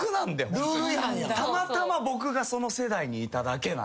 たまたま僕がその世代にいただけなんで。